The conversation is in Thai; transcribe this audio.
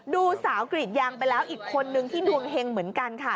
ดูสาวกรีดยางไปแล้วอีกคนนึงที่ดวงเฮงเหมือนกันค่ะ